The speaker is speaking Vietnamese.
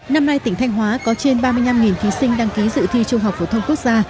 năm nay tỉnh thanh hóa có trên ba mươi năm thí sinh đăng ký dự thi trung học phổ thông quốc gia